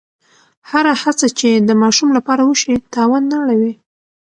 هره هڅه چې د ماشوم لپاره وشي، تاوان نه اړوي.